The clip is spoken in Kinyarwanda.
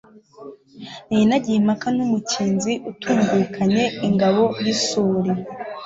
Nari nagiye impaka n'umukinzi utungukanye ingabo y'isuli